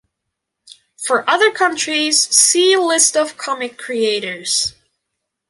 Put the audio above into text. For other countries, see List of comic creators.